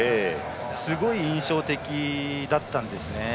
すごい印象的だったんですね。